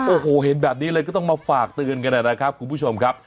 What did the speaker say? โอ้โหเห็นแบบนี้เลยก็ต้องมาฝากเตือนกันนะครับคุณผู้ชมครับ